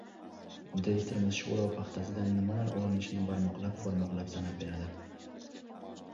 Direktorimiz sho‘ro paxtasidan nimalar olinishini barmoqlab-barmoqlab sanab beradi: